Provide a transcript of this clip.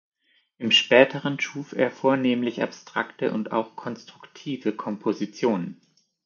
Im Späteren schuf er vornehmlich abstrakte und auch konstruktive Kompositionen.